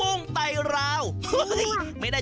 โรงโต้งคืออะไร